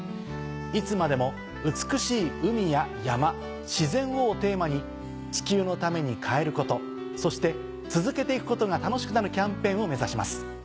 「いつまでも美しい海や山自然を」をテーマに地球のために変えることそして続けて行くことが楽しくなるキャンペーンを目指します。